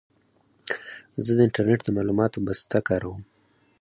زه د انټرنېټ د معلوماتو بسته کاروم.